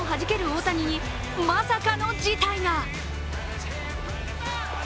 大谷にまさかの事態が。